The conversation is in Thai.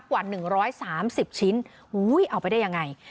กว่าหนึ่งร้อยสามสิบชิ้นอู้ยเอาไปได้ยังไง